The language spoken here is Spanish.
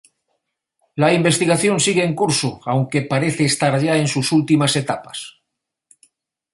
La investigación sigue en curso, aunque parece estar ya en sus últimas etapas.